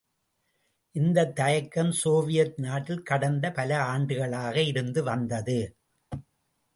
இந்தத் தயக்கம் சோவியத் நாட்டில் கடந்த பல ஆண்டுகளாக இருந்து வந்தது.